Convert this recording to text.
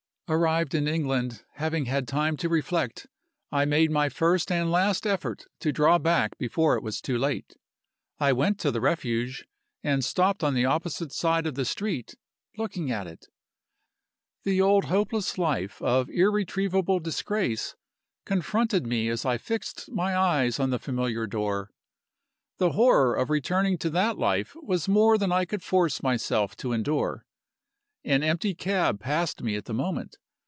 Arrived in England, having had time to reflect, I made my first and last effort to draw back before it was too late. I went to the Refuge, and stopped on the opposite side of the street, looking at it. The old hopeless life of irretrievable disgrace confronted me as I fixed my eyes on the familiar door; the horror of returning to that life was more than I could force myself to endure. An empty cab passed me at the moment.